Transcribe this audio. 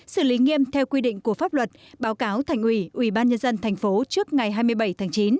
xử lý nghiêm theo quy định của pháp luật báo cáo thành quỷ ubnd tp trước ngày hai mươi bảy tháng chín